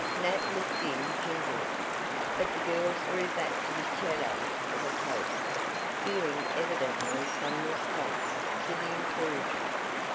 Nat looked in gingerly, but the girls drew back to the shadow of a post, fearing evidently some response to the intrusion.